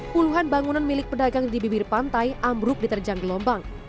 puluhan bangunan milik pedagang di bibir pantai ambruk diterjang gelombang